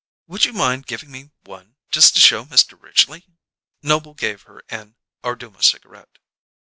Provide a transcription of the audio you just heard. "Would you mind giving me one just to show Mr. Ridgely?" Noble gave her an Orduma cigarette.